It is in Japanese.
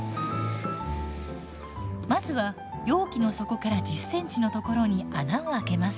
まずは容器の底から１０センチのところに穴を開けます。